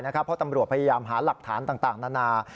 เพราะตำรวจพยายามหาหลักฐานต่างนานา